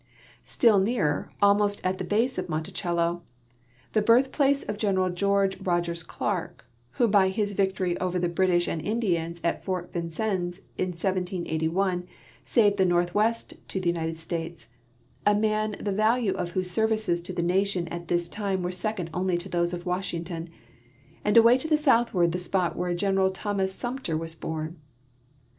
Still nearer, almost at the base of Monticello, the birthplace of General George Rogers Clarke, who by his vic tory over the British and Indians at Fort Vincennes in 1781 saved the northwest to the United States, a man the value of whose services to the nation at this time were second only to those of Washington, and away to the southward the spot where General Thomas Sumter was born.